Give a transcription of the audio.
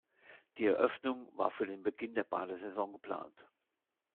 Die Eröffnung war für den Beginn der Badesaison geplant.